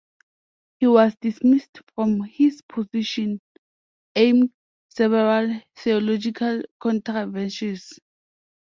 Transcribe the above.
He was dismissed from his position amid several theological controversies.